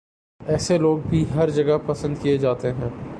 ایسے لوگ بھی ہر جگہ پسند کیے جاتے ہیں